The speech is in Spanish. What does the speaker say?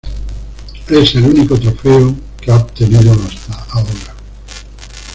Es el único trofeo que ha obtenido hasta ahora.